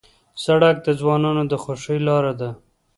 سړک د ځوانانو د خوښۍ لاره ده.